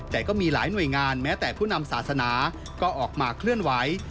แต่ก็มีหลายหน่วยงานแม้แต่ผู้นำศาสนาก็ออกมาเคลื่อนไหว